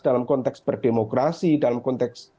dalam konteks berdemokrasi dalam konteks